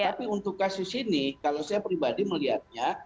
tapi untuk kasus ini kalau saya pribadi melihatnya